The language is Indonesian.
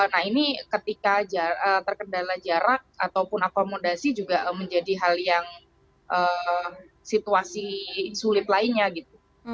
nah ini ketika terkendala jarak ataupun akomodasi juga menjadi hal yang situasi sulit lainnya gitu